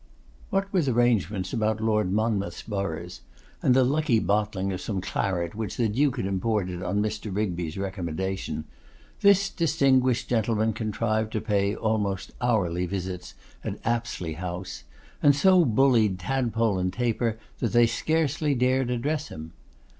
What with arrangements about Lord Monmouth's boroughs, and the lucky bottling of some claret which the Duke had imported on Mr. Rigby's recommendation, this distinguished gentleman contrived to pay almost hourly visits at Apsley House, and so bullied Tadpole and Taper that they scarcely dared address him.